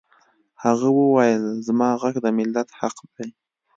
هغه وویل زما غږ د ملت حق دی